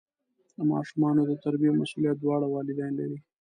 د ماشومانو د تربیې مسؤلیت دواړه والدین لري.